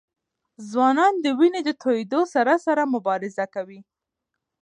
ځوانان د وینې د تویېدو سره سره مبارزه کوي.